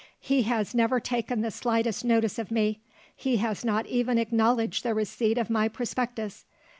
He has never taken the slightest notice of me; he has not even acknowledged the receipt of my prospectus.